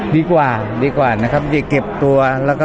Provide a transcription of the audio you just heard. ดีกว่าดีกว่านะครับจะเก็บตัว